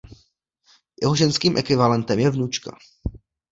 Jeho ženským ekvivalentem je vnučka.